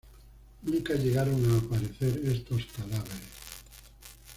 Nunca llegaron a aparecer estos cadáveres.